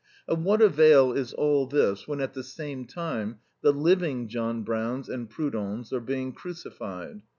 Of what avail is all this when, at the same time, the LIVING John Browns and Proudhons are being crucified?